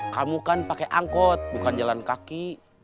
kamu kan pakai angkot bukan jalan kaki